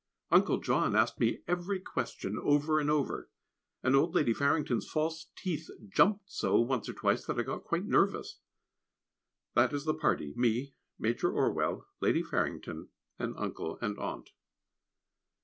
Uncle John asked me every question over and over, and old Lady Farrington's false teeth jumped so once or twice that I got quite nervous. That is the party, me, Major Orwell, Lady Farrington, and Uncle and Aunt.